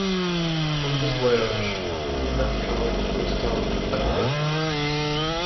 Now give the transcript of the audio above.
On this voyage he met Carl Gustaf Ekeberg.